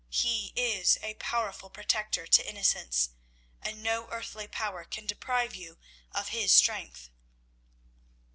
He is a powerful protector to innocence, and no earthly power can deprive you of His strength."